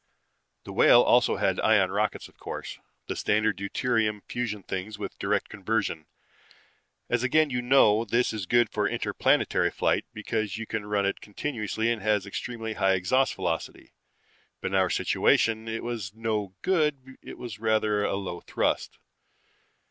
"The Whale also had ion rockets of course, the standard deuterium fusion thing with direct conversion. As again you know, this is good for interplanetary flight because you can run it continuously and it has extremely high exhaust velocity. But in our situation it was no good because it has rather a low thrust.